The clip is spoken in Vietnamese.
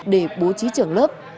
để bố trí trường lớp